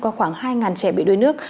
có khoảng hai trẻ bị đối nước